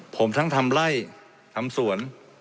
ผมทั้งทำไล่ทำสวน